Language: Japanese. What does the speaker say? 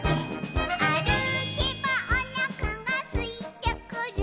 「あるけばおなかがすいてくる」